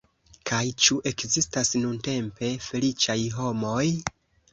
Kaj ĉu ekzistas nuntempe feliĉaj homoj?